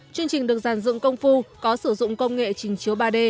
chương trình được giàn dựng công phu có sử dụng công nghệ trình chiếu ba d